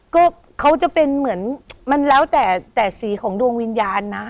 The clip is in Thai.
ก็เขาจะเป็นเหมือนมันแล้วแต่แต่สีของดวงวิญญาณนะ